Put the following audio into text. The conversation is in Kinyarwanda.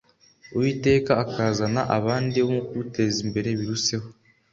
Uwiteka akazana abandi, bo kuwuteza imbere biruseho